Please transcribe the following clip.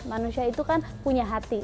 manusia itu kan punya hati